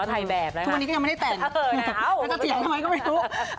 ก็ยังไม่ได้แต่งแล้วก็เสียงทำไมก็ไม่รู้